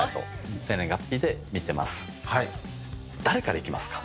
誰からいきますか？